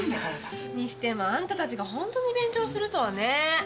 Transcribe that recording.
それにしてもあんたたちがホントに勉強するとはね。